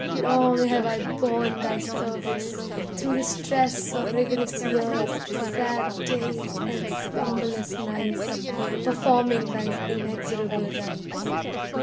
Long have I borne thy service, through the stress Of rigorous years, sad days and slumberless nights, Performing thine inexorable rites.